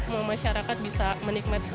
mau masyarakat bisa menikmati